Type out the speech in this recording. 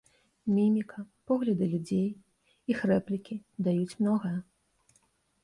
Міміка, погляды людзей, іх рэплікі даюць многае.